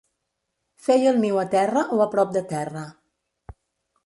Feia el niu a terra o a prop de terra.